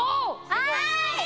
はい！